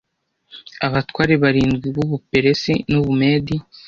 abatware barindwi b’u Buperesi n’u Bumedi